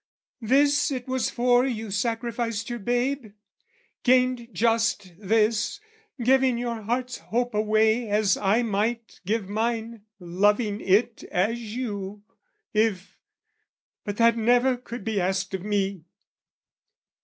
This it was for you sacrificed your babe? Gained just this, giving your heart's hope away As I might give mine, loving it as you, If...but that never could be asked of me!